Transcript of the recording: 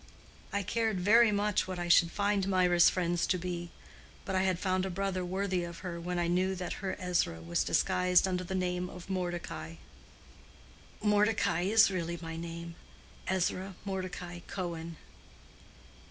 I cared very much what I should find Mirah's friends to be. But I had found a brother worthy of her when I knew that her Ezra was disguised under the name of Mordecai." "Mordecai is really my name—Ezra Mordecai Cohen."